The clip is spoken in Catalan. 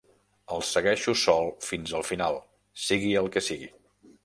El segueixo sol fins al final, sigui el que sigui.